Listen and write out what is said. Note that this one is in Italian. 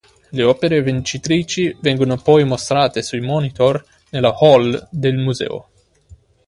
Le opere vincitrici vengono poi mostrate sui monitor nella "hall" del museo.